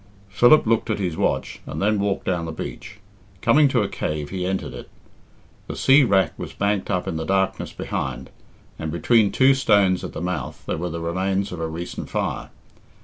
Philip looked at his watch and then walked down the beach. Coming to a cave, he entered it. The sea wrack was banked up in the darkness behind, and between two stones at the mouth there were the remains of a recent fire.